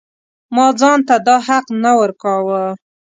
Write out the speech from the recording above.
ما ځان ته دا حق نه ورکاوه.